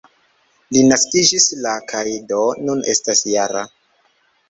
Li naskiĝis la kaj do nun estas -jara.